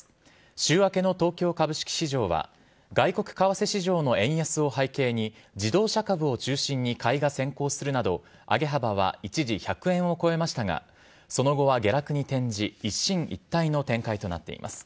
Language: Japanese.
週明けの東京株式市場は、外国為替市場の円安を背景に、自動車株を中心に買いが先行するなど上げ幅は一時１００円を超えましたが、その後は下落に転じ、一進一退の展開となっています。